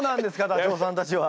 ダチョウさんたちは。